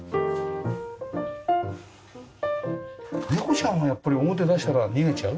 ネコちゃんはやっぱり表出したら逃げちゃう？